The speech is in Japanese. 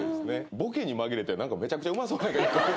ボケに紛れて何かめちゃくちゃうまそうなのが１個。